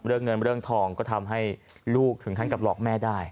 เรื่องเงินเรื่องทองก็ทำให้ลูกถึงขั้นกับหลอกแม่ได้